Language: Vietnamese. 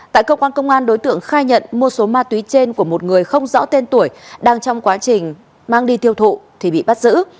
tại cơ quan công an đối tượng khai nhận mua số ma túy trên của một người không rõ tên tuổi đang trong quá trình mang đi tiêu thụ thì bị bắt giữ